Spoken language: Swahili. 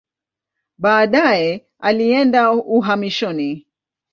Baadaye alienda uhamishoni.